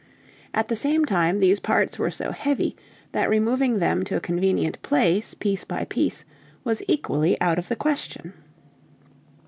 At the same time these parts were so heavy, that removing them to a convenient place piece by piece was equally out of the question.